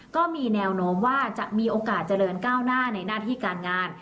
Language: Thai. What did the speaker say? ก็มีแนวโน้มว่าจะมีโอกาสเจริญก้าวหน้าในหน้าที่การงาน